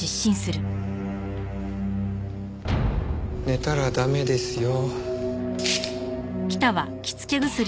寝たら駄目ですよ。